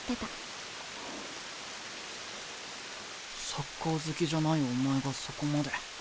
サッカー好きじゃないお前がそこまで。